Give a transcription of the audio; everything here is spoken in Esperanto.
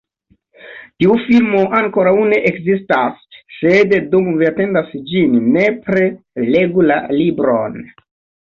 Tiu filmo ankoraŭ ne ekzistas, sed dum vi atendas ĝin, nepre legu la libron!